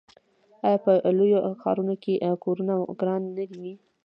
آیا په لویو ښارونو کې کورونه ګران نه دي؟